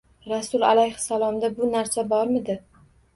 Rasul alayhissalomda bu narsa bormidi?